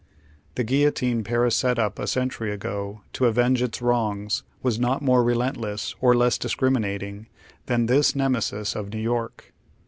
The guillotine Paris set up a century ago to avenge its wrongs was not more relentless, or less discriminating, than this ^Nemesis of New York.